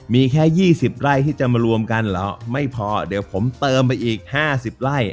มีแค่๒๐ไร่ที่จะมารวมกันเหรอไม่พอเดี๋ยวผมเติมไปอีก๕๐ไร่